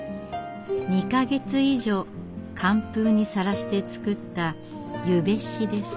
２か月以上寒風にさらして作った「ゆべし」です。